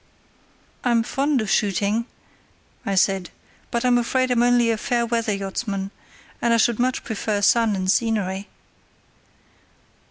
"I'm fond of shooting," I said, "but I'm afraid I'm only a fair weather yachtsman, and I should much prefer sun and scenery."